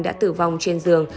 đã tử vong trên giường